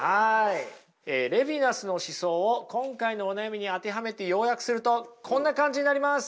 レヴィナスの思想を今回のお悩みに当てはめて要約するとこんな感じになります。